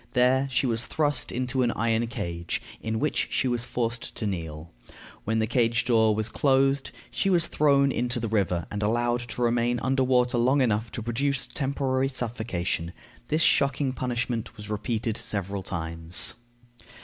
There she was thrust into an iron cage, in which she was forced to kneel. When the cage door was closed, she was thrown into the river, and allowed to remain under water long enough to produce temporary suffocation. This shocking punishment was repeated several times.